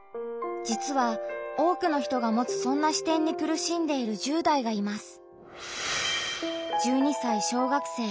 実は多くの人が持つそんな視点に苦しんでいる１０代がいます。